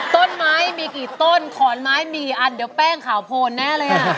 ต้นไม้มีกี่ต้นขอนไม้มีอันเดี๋ยวแป้งขาวโพนแน่เลยอ่ะ